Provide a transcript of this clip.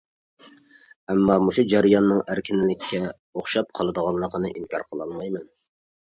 ئەمما مۇشۇ جەرياننىڭ ئەركىنلىككە ئوخشاپ قالىدىغانلىقىنى ئىنكار قىلالمايمەن.